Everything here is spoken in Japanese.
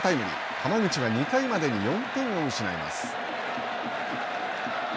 浜口は２回までに４点を失います。